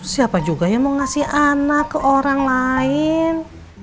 siapa juga yang mau ngasih anak ke orang lain